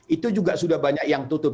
itu juga sudah banyak yang tutup